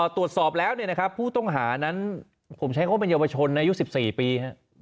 ตรวจสอบแล้วผู้ต้องหานั้นผมใช้คำว่าเป็นเยาวชนอายุ๑๔ปี